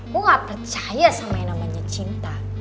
gue gak percaya sama yang namanya cinta